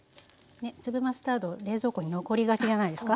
粒マスタード冷蔵庫に残りがちじゃないですか？